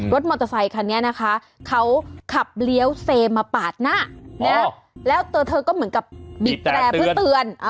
มอเตอร์ไซคันนี้นะคะเขาขับเลี้ยวเซมาปาดหน้าแล้วตัวเธอก็เหมือนกับบีบแตรเพื่อเตือน